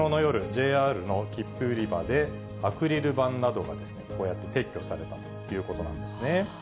ＪＲの切符売り場で、アクリル板などがこうやって撤去されたということなんですね。